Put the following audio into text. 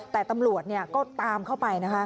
แต่ตำรวจก็ตามเข้าไปนะคะ